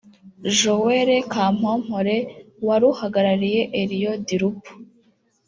Joëlle Kampompolé wari uhagarariye Elio Di Rupo